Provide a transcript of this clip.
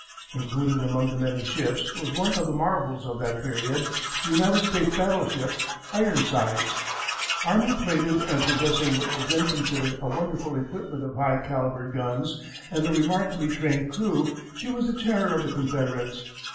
Included among the many ships was one of the marvels of that period, the United States battleship Ironsides. Armour plated and possessing what was then considered a wonderful equipment of high calibred guns and a remarkably trained crew, she was the terror of the Confederates.